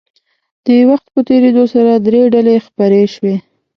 د وخت په تېرېدو سره درې ډلې خپرې شوې.